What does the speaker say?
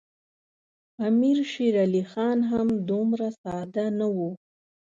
امیر شېر علي خان هم دومره ساده نه وو.